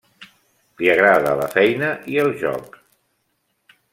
Li agrada la feina i el joc.